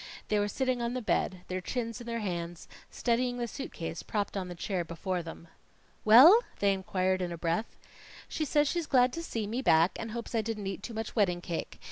They were sitting on the bed, their chins in their hands, studying the suit case propped on a chair before them. "Well?" they inquired in a breath. "She says she's glad to see me back, and hopes I didn't eat too much wedding cake.